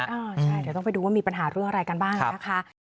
ใช่เดี๋ยวต้องไปดูว่ามีปัญหาเรื่องอะไรกันบ้างนะคะ